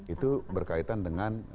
itu berkaitan dengan